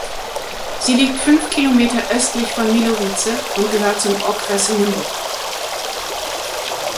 Sie liegt fünf Kilometer östlich von Milovice und gehört zum Okres Nymburk.